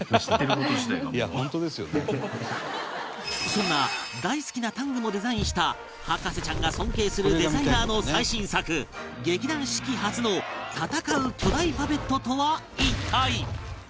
そんな大好きなタングもデザインした博士ちゃんが尊敬するデザイナーの最新作劇団四季初の戦う巨大パペットとは一体？